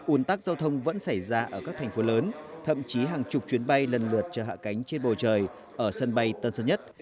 ủn tắc giao thông vẫn xảy ra ở các thành phố lớn thậm chí hàng chục chuyến bay lần lượt chở hạ cánh trên bầu trời ở sân bay tân sơn nhất